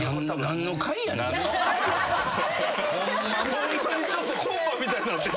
ホンマにちょっとコンパみたいに。